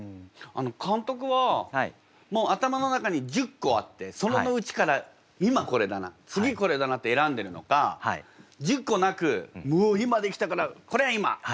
監督はもう頭の中に１０個あってそのうちから今これだな次これだなって選んでるのか１０個なくもう今出来たからこれ今！